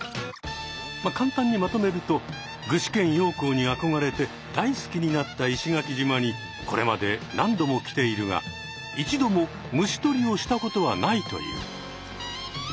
まあ簡単にまとめると具志堅用高にあこがれて大好きになった石垣島にこれまで何度も来ているが一度も虫とりをしたことはないという。